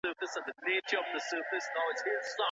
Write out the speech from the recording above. دولتي پوهنتون بې پوښتني نه منل کیږي.